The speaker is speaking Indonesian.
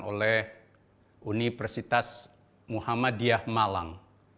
oleh universitas muhammadiyah malang